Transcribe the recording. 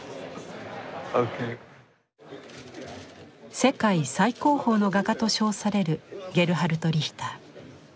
世界最高峰の画家と称されるゲルハルト・リヒター。